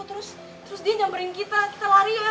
terus dia nyamperin kita kita lari aja